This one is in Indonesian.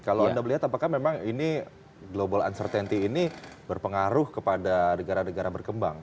kalau anda melihat apakah memang ini global uncertainty ini berpengaruh kepada negara negara berkembang